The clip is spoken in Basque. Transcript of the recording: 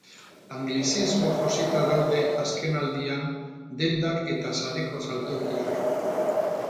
Anglizismoz josita daude azkenaldian dendak eta sareko saltokiak.